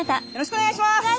お願いします！